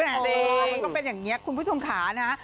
มันก็เป็นอย่างนี้คุณผู้ชมขานะ